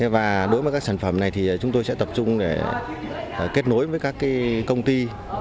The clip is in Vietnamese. và đối với các sản phẩm này thì chúng tôi sẽ tập trung để kết nối với các công ty